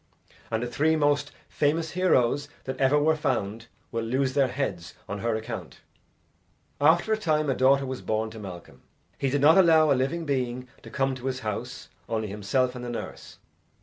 And the three most famous heroes that ever were found will lose their heads on her account." After a time a daughter was born to Malcolm. He did not allow a living being to come to his house, only himself and the nurse.